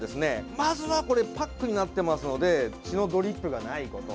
まずは、これパックになってますので血のドリップがないこと。